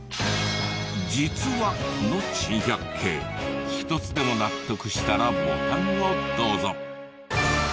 「実は」の珍百景一つでも納得したらボタンをどうぞ。